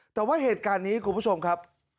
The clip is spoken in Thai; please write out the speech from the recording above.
แต่ว่าเหตุการณ์นี้คุณผู้ชมครับ